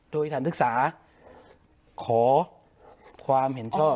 โดยสถานศึกษาขอความเห็นชอบ